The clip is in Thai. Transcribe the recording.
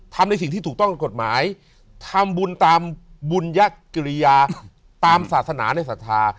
ทำในสิ่งที่ถูกต้องกฎหมายทำบุญตามบุญยกิริยาตามศาสนาในศรัทธา